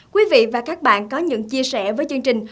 quý vị và các bạn có những chia sẻ với chương trình